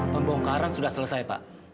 pembongkaran sudah selesai pak